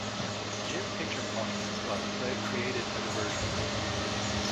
Jim picked her pocket while Fred created a diversion